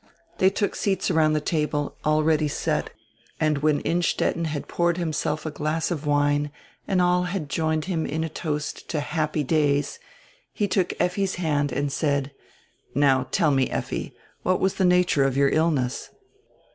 They took seats around die table, already set, and when Innstetten had poured himself a glass of wine and all had joined him in a toast to "happy days," he took Effi's hand and said: "Now tell me, Effi, what was die nature of your illness?"